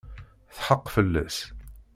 Txaq fell-as.